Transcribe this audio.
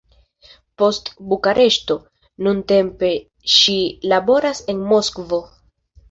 Post Bukareŝto, nuntempe ŝi laboras en Moskvo.